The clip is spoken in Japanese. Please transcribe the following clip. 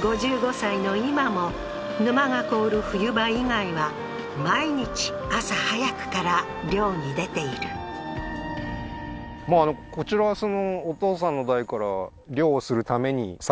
５５歳の今も沼が凍る冬場以外は毎日朝早くから漁に出ているああー示してるんですか？